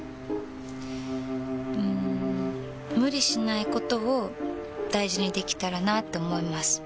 うん無理しないことを大事にできたらなって思います。